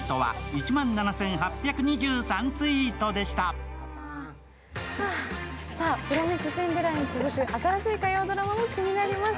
はぁさあ、「プロミス・シンデレラ」に続く新しい火曜ドラマも気になります。